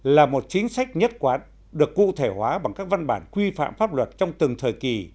là một chính sách nhất quán được cụ thể hóa bằng các văn bản quy phạm pháp luật trong từng thời kỳ